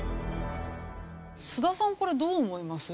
須田さんこれどう思います？